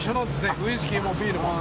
ウイスキーもビールも。